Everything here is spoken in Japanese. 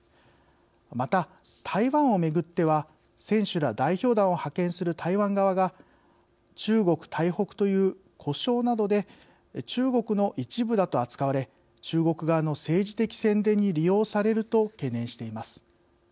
また、台湾をめぐっては選手ら代表団を派遣する台湾側が中国台北という呼称などで中国の一部だと扱われ中国側の政治的宣伝に利用されると懸念しています。